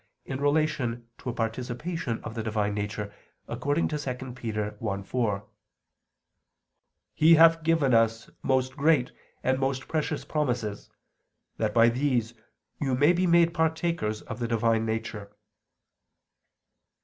in relation to a participation of the Divine Nature, according to 2 Pet. 1:4: "He hath given us most great and most precious promises; that by these you may be made partakers of the Divine Nature."